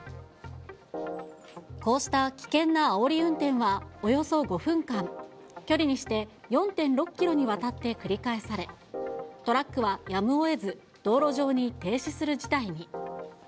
こうした危険なあおり運転はおよそ５分間、距離にして４．６キロにわたって繰り返され、トラックはやむをえず道路上に停止する事態に。